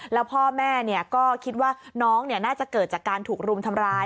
แล้วพ่อแม่ก็คิดว่าน้องน่าจะเกิดจากการถูกรุมทำร้าย